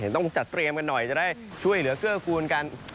ต้องจัดเตรียมกันหน่อยจะได้ช่วยเหลือเกื้อกูลกัน